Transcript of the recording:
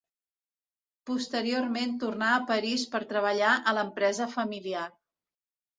Posteriorment tornà a París per treballar a l'empresa familiar.